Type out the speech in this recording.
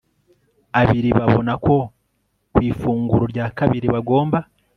abiri babona ko ku ifunguro rya kabiri bagomba